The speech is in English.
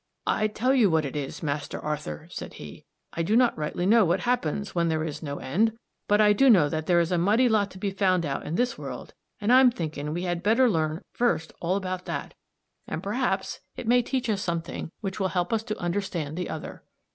"I tell you what it is, Master Arthur," said he, "I do not rightly know what happens when there is no end, but I do know that there is a mighty lot to be found out in this world, and I'm thinking we had better learn first all about that, and perhaps it may teach us something which will help us to understand the other."